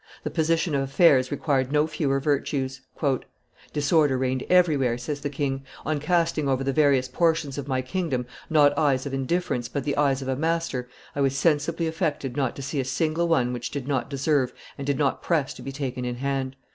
The position of affairs required no fewer virtues. "Disorder reigned everywhere," says the king; "on casting over the various portions of my kingdom not eyes of indifference, but the eyes of a master, I was sensibly affected not to see a single one which did not deserve and did not press to be taken in hand.